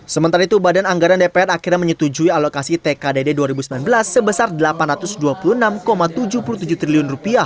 sementara itu badan anggaran dpr akhirnya menyetujui alokasi tkdd dua ribu sembilan belas sebesar rp delapan ratus dua puluh enam tujuh puluh tujuh triliun